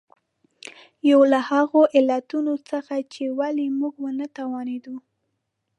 یو له هغو علتونو څخه چې ولې موږ ونه توانېدو.